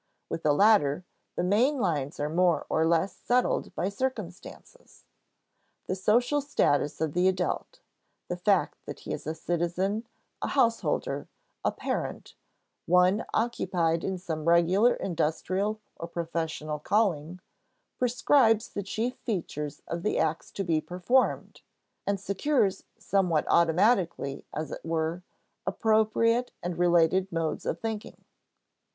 With the latter, the main lines are more or less settled by circumstances. The social status of the adult, the fact that he is a citizen, a householder, a parent, one occupied in some regular industrial or professional calling, prescribes the chief features of the acts to be performed, and secures, somewhat automatically, as it were, appropriate and related modes of thinking.